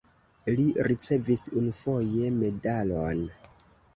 Li ricevis unuafoje medalon.